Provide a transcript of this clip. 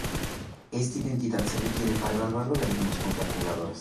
Esta identidad se requiere para evaluar logaritmos con calculadoras.